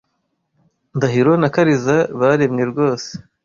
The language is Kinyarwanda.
Ndahiro na Kariza baremwe rwose.